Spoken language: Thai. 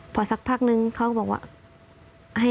พอสักพักนึงเขาก็บอกว่า